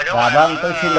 dạ vâng tôi xin cảm ơn